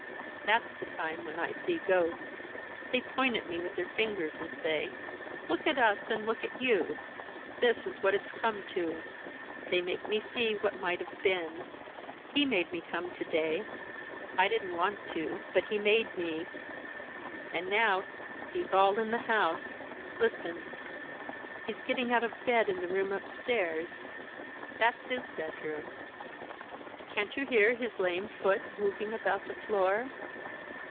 That's the time when I see ghosts. They point at me with their fingers and say, 'Look at us and look at you this is what it's come to!' They make me see what might have been. He made me come to day; I didn't want to, but he made me. And now he's in all the house. Listen! He's getting out of bed in the room upstairs that's his bedroom. Can't you hear his lame foot moving about the floor?